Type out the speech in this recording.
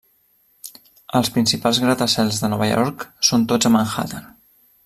Els principals gratacels de Nova York, són tots a Manhattan.